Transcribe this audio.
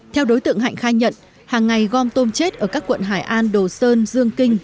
theo đối tượng hạnh khai nhận hàng ngày gom tôm chết ở các quận hải an đồ sơn dương kinh